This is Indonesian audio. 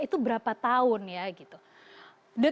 itu berapa tahun ya